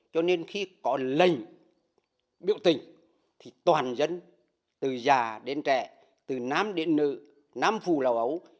cho nên khi có lệnh biểu tình thì toàn dân từ già đến trẻ từ nam đến nữ nam phù lầu ấu